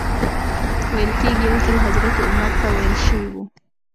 ویل کېږي یو ځل حضرت عمر ته ویل شوي و.